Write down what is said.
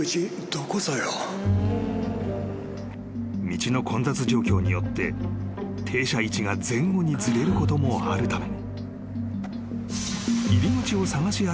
［道の混雑状況によって停車位置が前後にずれることもあるため］